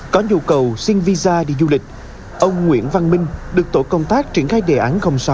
có nhu cầu xin visa đi du lịch ông nguyễn văn minh được tổ công tác triển khai đề án sáu